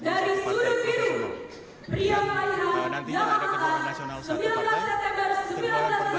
dari sudut biru pria banyak jalan jalan sembilan belas september seribu sembilan ratus enam puluh lima